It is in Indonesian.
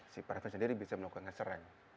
si praven sendiri bisa melakukan ngeser